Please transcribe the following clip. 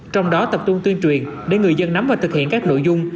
trong đó tập trung tuyên truyền để người dân nắm và thực hiện các nội dung